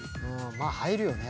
まあ入るよね